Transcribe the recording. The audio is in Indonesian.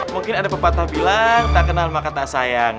mungkin ada pepatah bilang tak kenal maka tak sayang